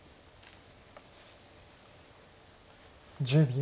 １０秒。